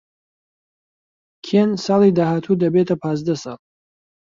کێن ساڵی داهاتوو دەبێتە پازدە ساڵ.